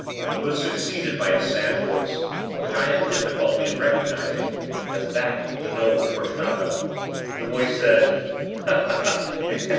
It was succeeded by a sad voice, which I had difficulty in recognising as that of the noble Fortunato. The voice said— "Ha! ha! ha!